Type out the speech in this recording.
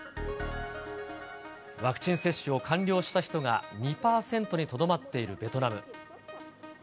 ワクチン接種を完了した人が２％にとどまっているベトナム。